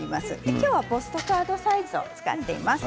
今日はポストカードサイズを使っています。